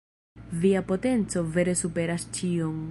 Via potenco vere superas ĉion.